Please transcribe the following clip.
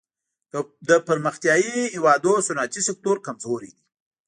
د پرمختیايي هېوادونو صنعتي سکتور کمزوری دی.